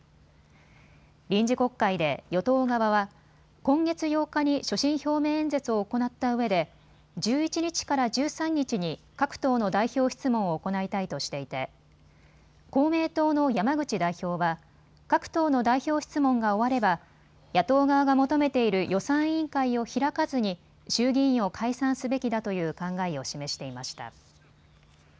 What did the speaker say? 臨時国会で与党側は今月８日に所信表明演説を行ったうえで１１日から１３日に各党の代表質問を行いたいとしていて公明党の山口代表は各党の代表質問が終われば野党側が求めている予算委員会を開かずに衆議院を解散すべきだという考えを示していました。